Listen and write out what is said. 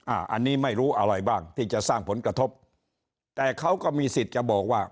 อันนี้ไม่รู้อะไรบ้างที่จะสร้างผลกระทบแต่เขาก็มีสิทธิ์จะบอกว่า